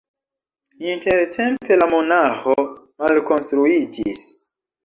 Intertempe la monaĥo malkonstruiĝis.